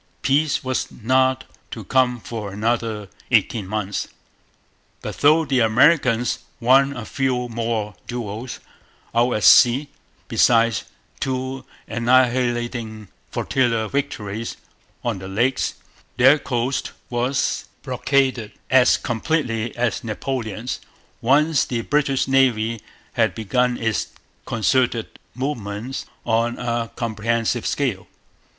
Peace was not to come for another eighteen months. But though the Americans won a few more duels out at sea, besides two annihilating flotilla victories on the Lakes, their coast was blockaded as completely as Napoleon's, once the British Navy had begun its concerted movements on a comprehensive scale.